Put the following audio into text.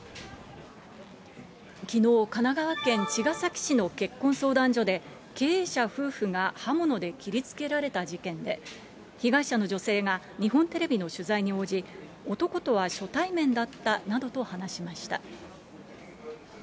きのう、神奈川県茅ヶ崎市の結婚相談所で、経営者夫婦が刃物で切りつけられた事件で、被害者の女性が日本テレビの取材に応じ、男とは初対面だったなどと話しました。